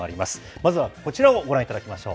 まずはこちらをご覧いただきましょう。